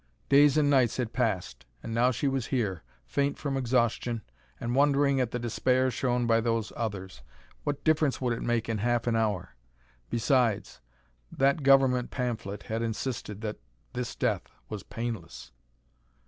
Days and nights had passed, and now she was here, faint from exhaustion, and wondering at the despair shown by those others. What difference would it make in half an hour? Besides, that Government pamphlet had insisted that this death was painless!